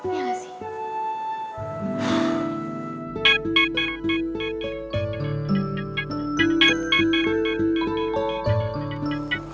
iya gak sih